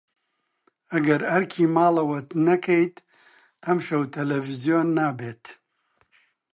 ئەگەر ئەرکی ماڵەوەت نەکەیت، ئەمشەو تەلەڤیزیۆن نابێت.